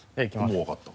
もう分かった？